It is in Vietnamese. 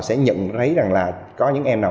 sẽ nhận lấy rằng là có những em nào